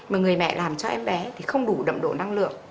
mà người mẹ làm cho em bé thì không đủ đậm đủ năng lượng